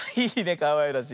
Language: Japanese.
かわいらしい。